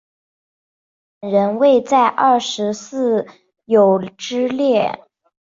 但苏绍本人未在二十四友之列。